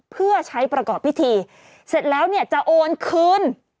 เพื่อใช้ประกอบพิธีเสร็จแล้วเนี่ยจะโอนคืน